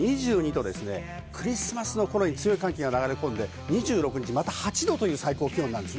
クリスマスの頃に強い寒気が流れ込んで、２６日に８度という最高気温になるんです。